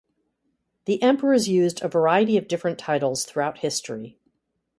The emperors used a variety of different titles throughout history.